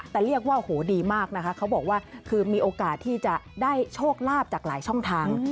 แต่เรียกว่าโหดีมากนะคะเขาบอกว่าคือมีโอกาสที่จะได้โชคลาภจากหลายช่องทาง